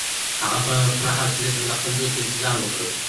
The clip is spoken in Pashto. هغه په پوره حوصلي سره د خپل دوست انتظار وکړ.